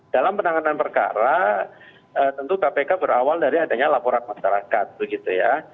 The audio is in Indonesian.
dalam penanganan perkara tentu kpk berawal dari adanya laporan masyarakat begitu ya